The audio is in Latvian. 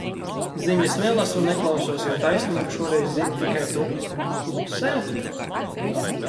Ziņas nelasu un neklausos, jo taisnību šoreiz zini tikai tu. Klusē?